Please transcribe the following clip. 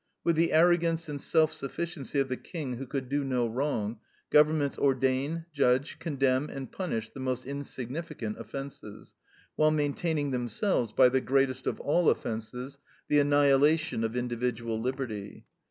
With the arrogance and self sufficiency of the King who could do no wrong, governments ordain, judge, condemn, and punish the most insignificant offenses, while maintaining themselves by the greatest of all offenses, the annihilation of individual liberty.